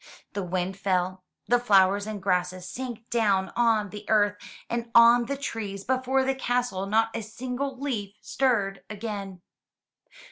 The wind fell, the flowers and grasses sank down on the earth and on the trees before the castle not a single leaf stirred again.